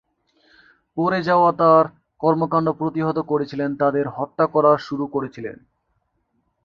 পরে যারা তাঁর কর্মকাণ্ড প্রতিহত করেছিলেন তাদের হত্যা করা শুরু করেছিলেন।